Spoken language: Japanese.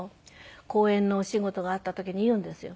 講演のお仕事があった時に言うんですよ。